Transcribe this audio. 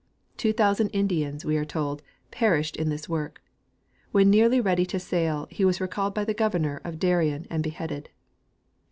Two thousand Indians, we are told, perished in this work. When nearly ready to sail he was recalled by the governor of Darien and beheaded.